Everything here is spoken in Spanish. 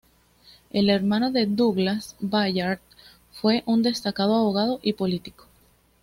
El hermano de Douglas, Bayard fue un destacado abogado y político.